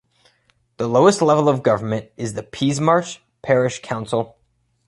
The lowest level of government is the Peasmarsh parish council.